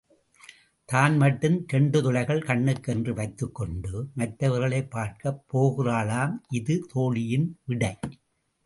தான் மட்டும் இரண்டு துளைகள் கண்ணுக்கு என்று வைத்துக் கொண்டு மற்றவர்களைப் பார்க்கப் போகிறாளாம் இது தோழியின் விடை.